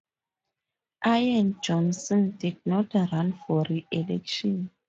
Ian Johnson did not run for re-election.